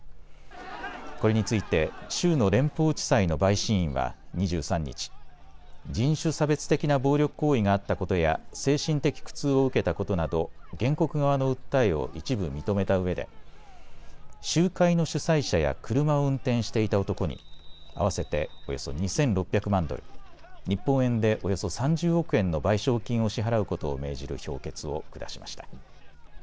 これについて州の連邦地裁の陪審員は２３日、人種差別的な暴力行為があったことや精神的苦痛を受けたことなど、原告側の訴えを一部認めたうえで集会の主催者や車を運転していた男にあわせておよそ２６００万ドル、日本円でおよそ３０億円の賠償金を支払うことを命じる評決を下しました。